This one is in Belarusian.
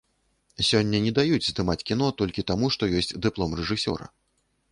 Сёння не даюць здымаць кіно, толькі таму, што ёсць дыплом рэжысёра.